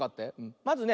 まずね。